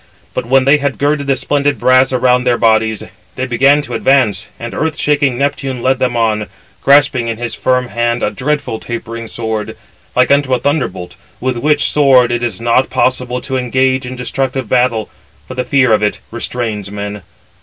But when they had girded the splendid brass around their bodies, they began to advance; and earth shaking Neptune led them on, grasping in his firm hand a dreadful tapering sword, like unto a thunderbolt, with which [sword] it is not possible to engage in destructive battle, for the fear [of it] restrains men.